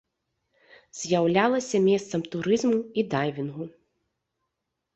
З'яўлялася месцам турызму і дайвінгу.